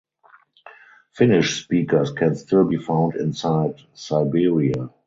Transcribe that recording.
Finnish speakers can still be found inside Siberia.